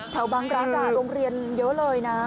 เท่าบังกลางกะโรงเรียนเยอะเลยนะ